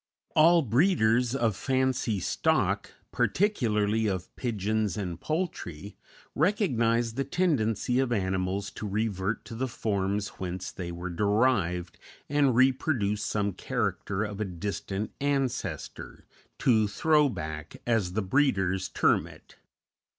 All breeders of fancy stock, particularly of pigeons and poultry, recognize the tendency of animals to revert to the forms whence they were derived and reproduce some character of a distant ancestor; to "throw back," as the breeders term it.